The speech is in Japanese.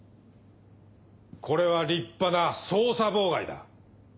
これは立派な捜査妨害だ。